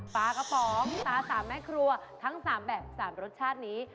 ปลากระป๋องพี่ป๊า๓แม่ครัวทั้ง๓แบบ๓รสชาตินี้